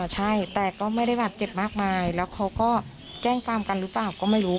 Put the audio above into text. ใช่แต่ก็ไม่ได้บาดเจ็บมากมายแล้วเขาก็แจ้งความกันหรือเปล่าก็ไม่รู้